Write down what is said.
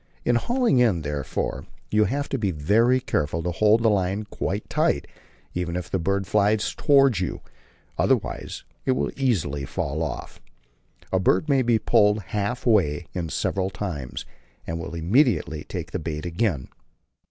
In hauling in, therefore, you have to be very careful to hold the line quite tight, even if the bird flies towards you, otherwise it will easily fall off: A bird may be pulled half way in several times, and will immediately take the bait again.